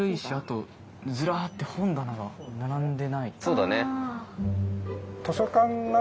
そうだね。